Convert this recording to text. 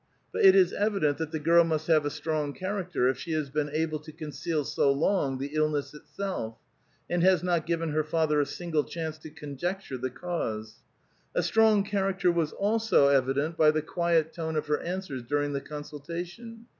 But it is evident that the girl must have a strong charac ter, if she has been able to conceal so long the illness itself, and has not given her father a single chance to conjecture the cause. A strong character was also evident by the quiet tone of her answers during the consultation.